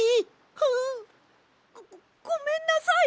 ごごごめんなさい！